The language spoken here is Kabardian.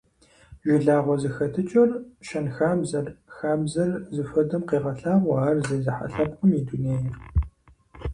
Жылагъуэ зэхэтыкӀэр, щэнхабзэр, хабзэр зыхуэдэм къегъэлъагъуэ ар зезыхьэ лъэпкъым и дунейр.